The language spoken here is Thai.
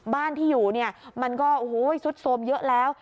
บ้านที่อยู่มันก็สุดโซมเยอะแล้ว